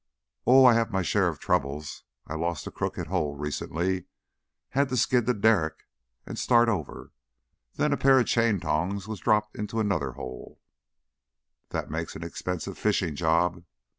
"Oh, I have my share of troubles. I lost a crooked hole, recently had to skid the derrick and start over. Then a pair of chaintongs was dropped into another hole " "That makes an expensive fishing job."